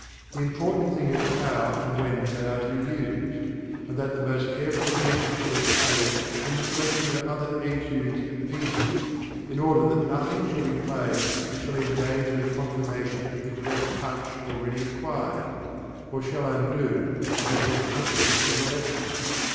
The important thing is how and when they are to be used; and that most careful attention shall be paid in the selection of other études and pieces, in order that nothing shall be played which shall endanger the confirmation of the correct touch already acquired, or shall undo what has been accomplished in the lessons.